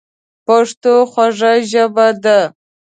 پښتو خوږه ژبه ده.